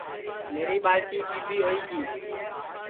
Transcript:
میری ٻالٹی چیٻی ہوئی گی